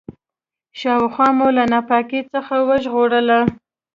شاوخوا مو له ناپاکۍ څخه وژغورله.